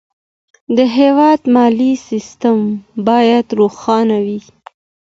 د هېواد مالي سیستم باید روښانه وي.